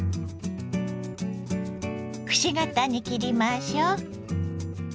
くし形に切りましょう。